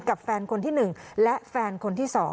กับแฟนคนที่๑และแฟนคนที่๒